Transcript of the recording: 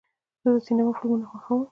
زه د سینما فلمونه خوښوم.